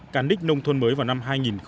cán đích nông thôn mới vào năm hai nghìn một mươi